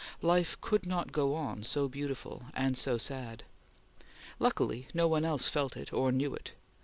Life could not go on so beautiful and so sad. Luckily, no one else felt it or knew it.